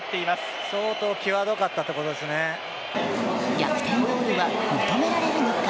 逆転ゴールは認められるのか。